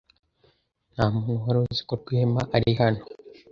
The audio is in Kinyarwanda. Ntamuntu wari uzi ko Rwema ari hano.